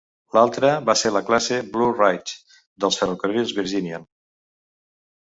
L'altre va ser la classe "Blue Ridge" dels ferrocarrils Virginian.